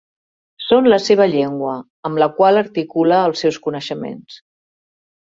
Són la seva llengua, amb la qual articula els seus coneixements.